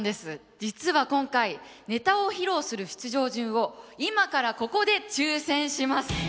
実は今回ネタを披露する出場順を今からここで抽選します。